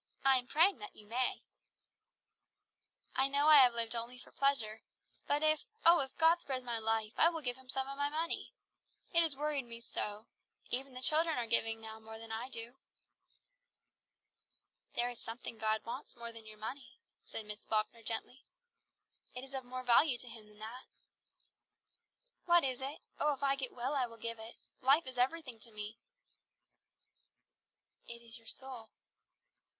"I am praying that you may." "I know I have lived only for pleasure, but if, oh, if God spares my life, I will give Him some of my money. It has worried me so. Even the children are giving now more than I do." "There is something God wants more than your money," said Miss Falkner gently. "It is of more value to Him than that." "What is it? Oh, if I get well I will give it. Life is everything to me." "It is your soul."